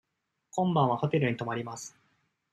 今晩はホテルに泊まります。